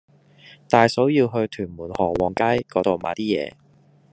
大嫂要去屯門河旺街嗰度買啲嘢